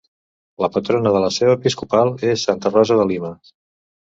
La patrona de la seu episcopal és santa Rosa de Lima.